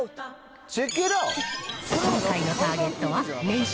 今回のターゲットは、年商